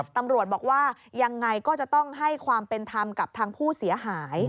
ตำรวจบอกว่ายังไงก็จะต้องให้ความเป็นธรรมกับทางผู้เสียหาย